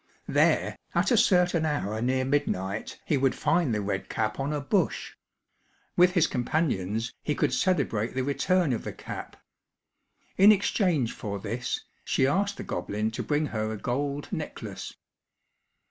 There, at a certain hour near midnight, he would find the red cap on a bush. With his companions, he could celebrate the return of the cap. In exchange for this, she asked the goblin to bring her a gold necklace.